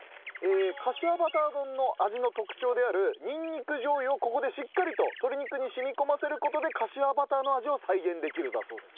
かしわバター丼の味の特徴であるにんにくじょう油をここでしっかりと鶏肉に染み込ませる事でかしわバターの味を再現できるだそうです。